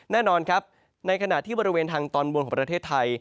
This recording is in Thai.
แน่นอนครับในขณะที่บริเวณทางตอนบนของประเทศไทย